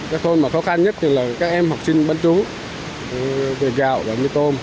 các khôn mà khó khăn nhất thì là các em học sinh bán trú về gạo và mì tôm